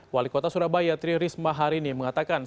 wali kota surabaya tri risma hari ini mengatakan